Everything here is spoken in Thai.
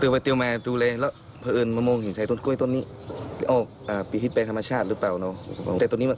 ไปดูกันสิ